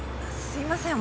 すいません。